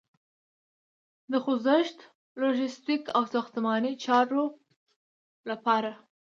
د خوځښت، لوژستیک او ساختماني چارو لپاره